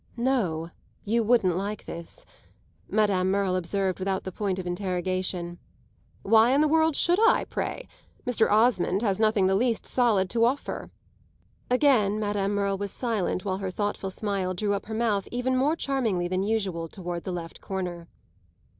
"No, you wouldn't like this," Madame Merle observed without the point of interrogation. "Why in the world should I, pray? Mr. Osmond has nothing the least solid to offer." Again Madame Merle was silent while her thoughtful smile drew up her mouth even more charmingly than usual toward the left corner.